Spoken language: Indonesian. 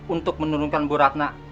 untuk menurunkan bu ratna